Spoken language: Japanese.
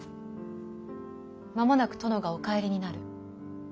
間もなく殿がお帰りになる。